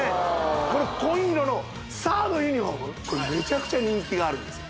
この紺色のサードユニフォームこれメチャクチャ人気があるんですよ